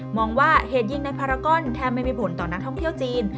มองว่าเหตุยิงในพารากอนแทบไม่มีผลต่อนักท่องเที่ยวจีน